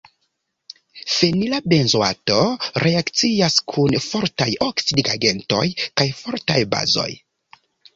Fenila benzoato reakcias kun fortaj oksidigagentoj kaj fortaj bazoj.